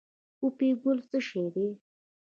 پوپی ګل څه شی دی؟